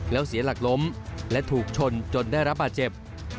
แล้วเสียหลักล้มและถูกชนจนได้รับบาดเจ็บ